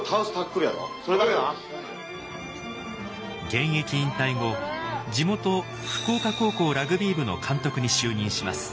現役引退後地元福岡高校ラグビー部の監督に就任します。